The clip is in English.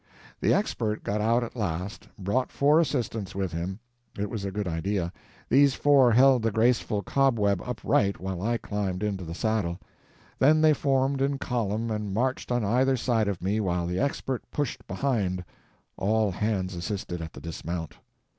The Expert got out at last, brought four assistants with him. It was a good idea. These four held the graceful cobweb upright while I climbed into the saddle; then they formed in column and marched on either side of me while the Expert pushed behind; all hands assisted at the dismount.